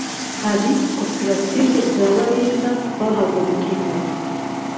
hari Koperative za baringa twahagurikiye